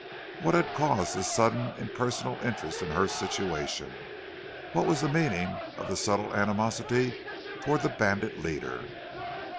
What had caused this sudden impersonal interest in her situation? What was the meaning of the subtle animosity toward the bandit leader?